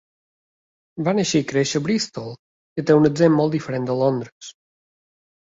Va nàixer i créixer a Bristol, que té un accent molt diferent de Londres.